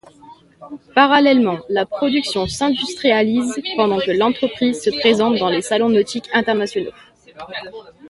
Parallèlement, la production s'industrialise, pendant que l'entreprise se présente dans les salons nautiques internationaux.